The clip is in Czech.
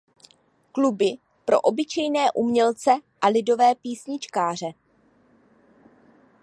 Kluby pro obyčejné umělce a lidové písničkáře.